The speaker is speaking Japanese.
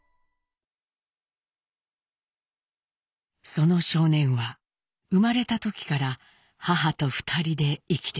その少年は生まれた時から母と２人で生きてきました。